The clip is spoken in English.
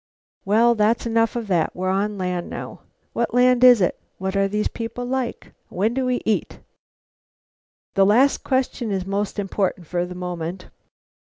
Well, that's enough of that; we're on land now. What land is it? What are the people like? When do we eat? That last question is most important for the moment.